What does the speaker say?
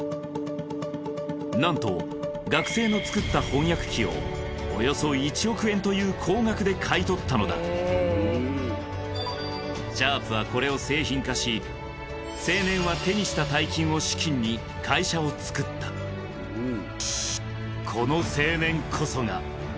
なんと学生の作った翻訳機をおよそ１億円という高額で買い取ったのだ「シャープ」はこれを製品化し青年は手にした大金を資金に会社を作ったええ！